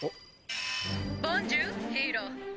「ボンジュールヒーロー。